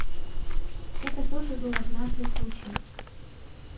Это тоже был однажды случай.